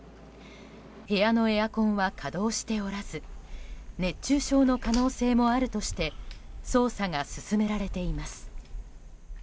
部屋のエアコンは稼働しておらず熱中症の可能性もあるとして捜査が進められています。